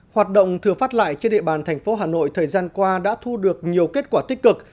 hoạt động thừa phát lại trên địa bàn thành phố hà nội thời gian qua đã thu được nhiều kết quả tích cực